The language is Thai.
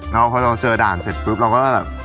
แล้วพอเราเจอด่านเสร็จปุ๊บเราก็แบบ